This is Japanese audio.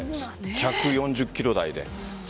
１４０キロ台で。